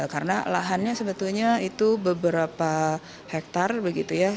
karena lahannya sebetulnya itu beberapa hektare begitu ya